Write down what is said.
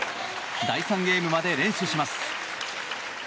第３ゲームまで連取します。